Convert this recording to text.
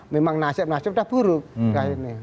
memang nasib nasib udah buruk